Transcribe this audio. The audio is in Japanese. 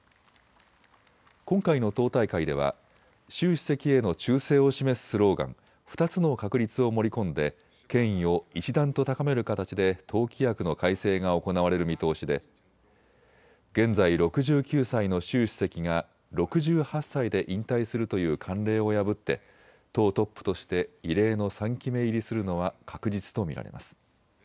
今回の党大会では習主席への忠誠を示すスローガン、２つの確立を盛り込んで権威を一段と高める形で党規約の改正が行われる見通しで現在６９歳の習主席が６８歳で引退するという慣例を破って党トップとして異例の３期目入りするのは確実と見られます。